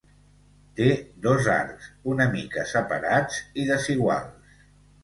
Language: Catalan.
Té dos arcs, una mica separats i desiguals.